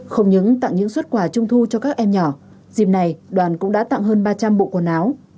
không những tặng những xuất quà trung thu cho các em nhỏ dịp này đoàn cũng đã tặng hơn ba trăm linh bộ quần áo